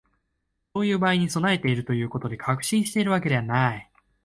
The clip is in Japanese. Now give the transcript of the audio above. そういう場合に備えるということで、確信しているわけではない